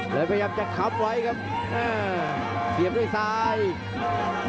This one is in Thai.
ก็พยายามจะข้ไร้ครับ